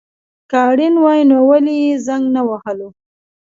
که اړين وای نو ولي يي زنګ نه وهلو